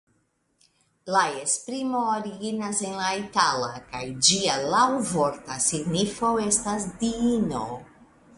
La esprimo originas en la itala kaj ĝia laŭvorta signifo estas "diino".